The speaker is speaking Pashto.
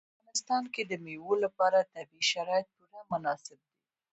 په افغانستان کې د مېوو لپاره طبیعي شرایط پوره مناسب دي.